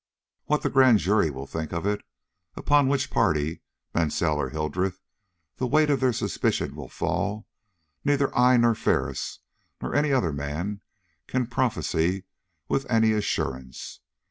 What the Grand Jury will think of it; upon which party, Mansell or Hildreth, the weight of their suspicion will fall, neither I nor Ferris, nor any other man, can prophesy with any assurance.